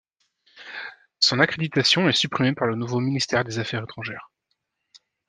Son accréditation est supprimée par le nouveau Ministère des Affaires Étrangères.